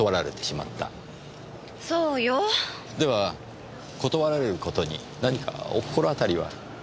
では断られることに何かお心当たりは？